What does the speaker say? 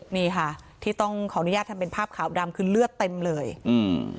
นี่ค่ะที่ต้องขออนุญาตทำเป็นภาพขาวดำคือเลือดเต็มเลยอืม